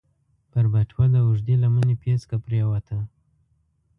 پر بټوه د اوږدې لمنې پيڅکه پرېوته.